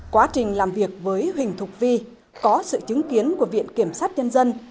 quá trình làm việc với huỳnh thục vi có sự chứng kiến của viện kiểm sát nhân dân